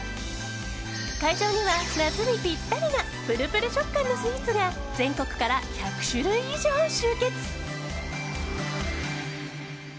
会場には夏にぴったりなぷるぷる食感のスイーツが全国から１００種類以上集結！